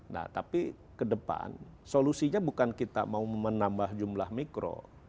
nah tapi ke depan solusinya bukan kita mau menambah jumlah mikro